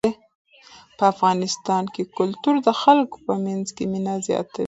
په افغانستان کې کلتور د خلکو په منځ کې مینه زیاتوي.